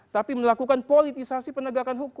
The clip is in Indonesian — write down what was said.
tapi melakukan politisasi penegakan hukum